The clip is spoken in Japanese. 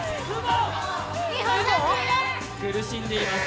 苦しんでいます。